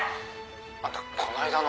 「あんたこの間の」